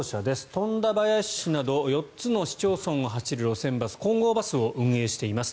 富田林市など４つの市町村を走る路線バス金剛バスを運営しています。